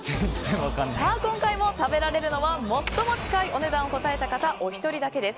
今回も食べられるのは最も近いお値段を答えた方お一人だけです。